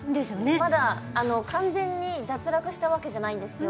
まだ完全に脱落したわけじゃないんですよ